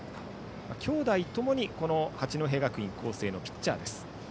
兄弟ともに八戸学院光星のピッチャーです。